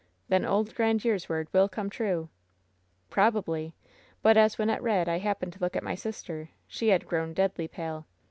"Then old Grandiere^s word will come true!'' "Probably 1 But as Wynnette read I happened to look at my sister. She had grown deadly pale.